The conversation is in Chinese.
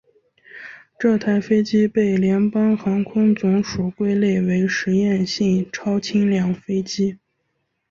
这台飞机被联邦航空总署归类为实验性超轻量飞机。